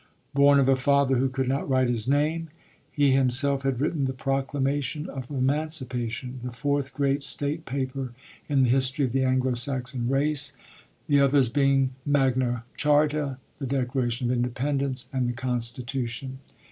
Born of a father who could not write his name, he himself had written the Proclamation of Emancipation, the fourth great state paper in the history of the Anglo Saxon race, the others being Magna Charta, the Declaration of Independence and the Constitution.